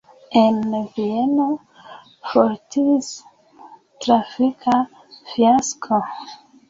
En Vieno forestis trafika fiasko.